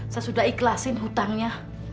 saya sudah ikhlasin hutangnya